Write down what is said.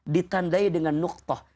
ditandai dengan nuktoh